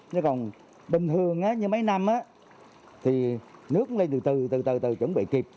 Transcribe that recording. nếu còn bình thường như mấy năm thì nước lên từ từ từ từ từ chuẩn bị kịp